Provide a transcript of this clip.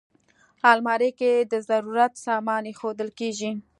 الماري کې د ضرورت سامان ایښودل کېږي